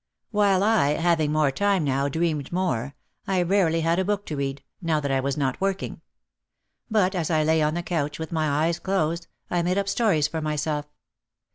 While I, having more time now, dreamed more, I rarely had a book to read, now that I was not working. But, as I lay on the couch with my eyes closed, I made up stories for myself.